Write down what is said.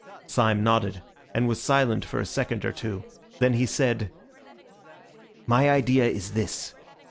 Syme nodded and was silent for a second or two, then he said— "My idea is this.